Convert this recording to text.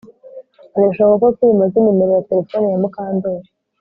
Birashoboka ko Kirima azi numero ya terefone ya Mukandoli